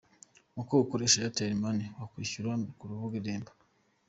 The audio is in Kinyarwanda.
Uko ukoresha Airtel money mukwihyura ku rubuga Irembo.